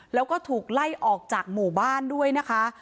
แล้วก็ถูกไล่ออกจากหมู่บ้านด้วยนะคะ